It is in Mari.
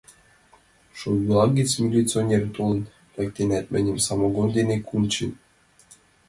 Шойбулак гыч милиционер толын лектынат, мыньым самогон дене кучен.